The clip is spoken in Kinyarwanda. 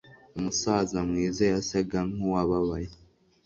Umusaza mwiza yasaga nkuwababaye